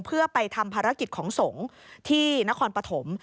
เพื่อไปทำภารกิจของสงฆ์ที่นครปฐม